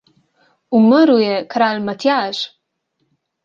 Umrl je kralj Matjaž!